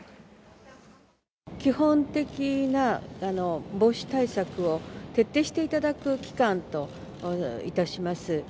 基本的な防止対策を徹底していただく期間といたします。